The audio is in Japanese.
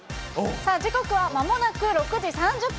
さあ、時刻は、まもなく６時３０分。